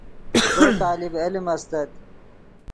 زو طالب علم استت